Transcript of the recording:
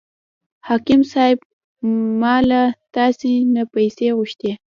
حاکم صاحب ما له تاسې نه پیسې غوښتې.